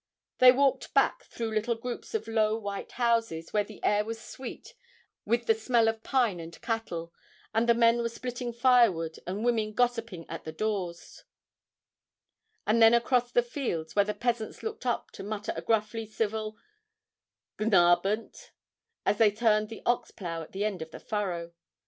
They walked back through little groups of low white houses, where the air was sweet with the smell of pine and cattle, and the men were splitting firewood and women gossiping at the doors, and then across the fields, where the peasants looked up to mutter a gruffly civil 'G'n Abend' as they turned the ox plough at the end of the furrow.